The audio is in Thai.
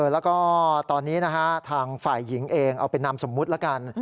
แล้วก็ตอนนี้นะฮะทางฝ่ายหญิงเองเอาเป็นนามสมมุติแล้วกัน